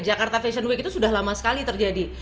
jakarta fashion week itu sudah lama sekali terjadi